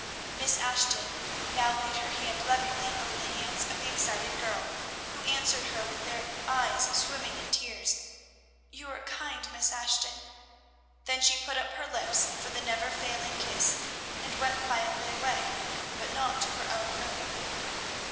Miss Ashton now laid her hand lovingly over the hands of the excited girl, who answered her with her eyes swimming in tears, "Your kind, Miss Ashton." Then she put up her lips for the never failing kiss, and went quietly away, but not to her own room.